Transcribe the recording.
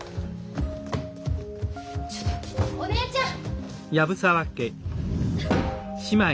ちょっとお姉ちゃん！